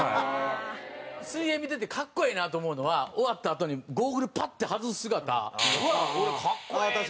水泳見てて格好ええなと思うのは終わったあとにゴーグルパッて外す姿俺格好ええなって。